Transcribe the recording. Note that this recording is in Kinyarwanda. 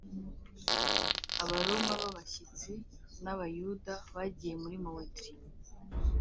Abaroma b abashyitsi n Abayuda bagiye muri moetri